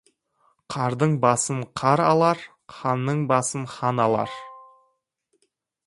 Қардың басын қар алар, ханның басын хан алар.